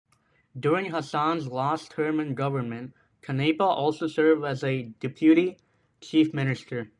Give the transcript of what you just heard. During Hassan's last term in government Canepa also served as Deputy Chief Minister.